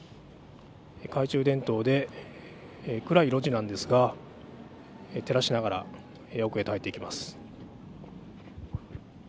懐中電灯で、暗い路地なんですが照らしながら奥へと入っていきます。